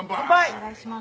お願いします。